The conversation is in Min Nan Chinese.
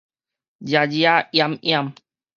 遮遮掩掩